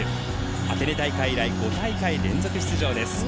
アテネ大会以来５大会連続出場です。